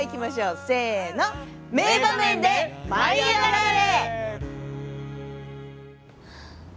名場面で「舞いあがれ！」。